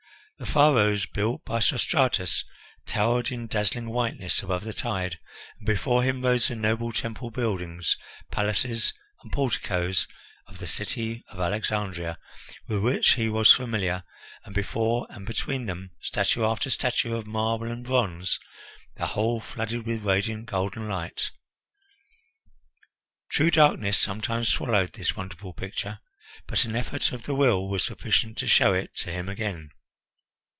The pharos built by Sostratus towered in dazzling whiteness above the tide, and before him rose the noble temple buildings, palaces, and porticoes of the city of Alexandria, with which he was familiar, and before and between them statue after statue of marble and bronze, the whole flooded with radiant golden light. True, darkness sometimes swallowed this wonderful picture, but an effort of the will was sufficient to show it to him again.